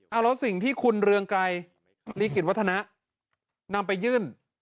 เอาแล้วสิ่งที่คุณเรืองไกรลีกิจวัฒนะนำไปยื่น